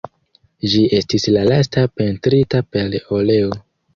Ĝi estis la lasta pentrita per oleo.